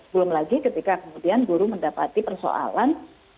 belum lagi ketika kemudian guru mendapati persoalan